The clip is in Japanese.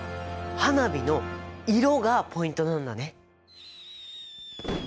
花火の色がポイントなんだね。